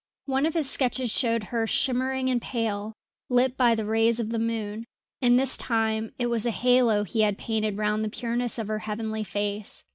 One of his sketches showed her shimmering and pale, lit by the rays of the moon, and this time it was a halo he had painted round the pureness of her heavenly face.